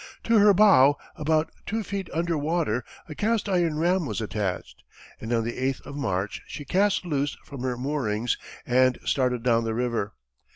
To her bow, about two feet under water, a cast iron ram was attached, and on the eighth of March, she cast loose from her moorings and started down the river.